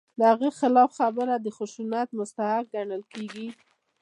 د هغې خلاف خبره د خشونت مستحق ګڼل کېږي.